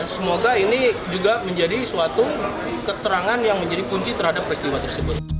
semoga ini juga menjadi suatu keterangan yang menjadi kunci terhadap peristiwa tersebut